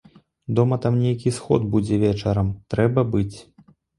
Дома там нейкі сход будзе вечарам, трэба быць.